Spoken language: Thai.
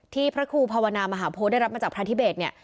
ที่พระครูภาวนามหาโพธิได้รับมาจากพระธิเบต